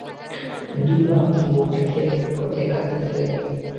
দুই বাহুতে মুখ ঢাকিয়া বুক ফাটিয়া কাঁদিতে লাগিল।